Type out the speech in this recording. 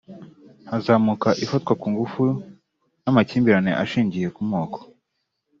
hazamuka ifatwa ku ngufu n’amakimbirane ashingiye ku moko